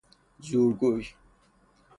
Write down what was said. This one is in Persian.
زورگوی